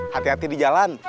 hati hati di jalan